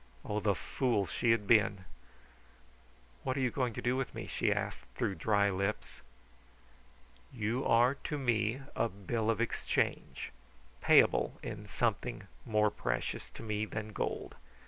Oh, the fool she had been! "What are you going to do with me?" she asked through dry lips. "You are to me a bill of exchange, payable in something more precious to me than gold.